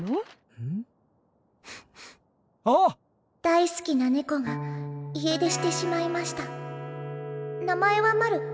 「大好きな猫が家出してしまいました名前はマル。